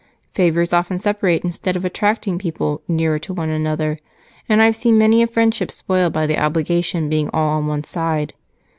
"Favors often separate instead of attracting people nearer to one another, and I've seen many a friendship spoilt by the obligation being all on one side.